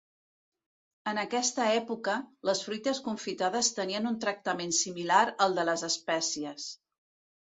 En aquesta època, les fruites confitades tenien un tractament similar al de les espècies.